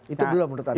itu belum menurut anda